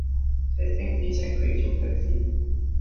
這正是情理中的事，